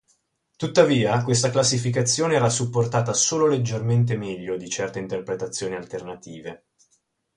Tuttavia, questa classificazione era supportata solo leggermente meglio di certe interpretazioni alternative.